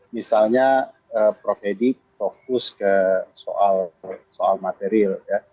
misalnya prof edi fokus ke soal material